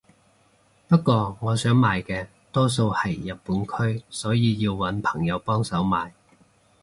不過我想買嘅多數係日本區所以要搵朋友幫手買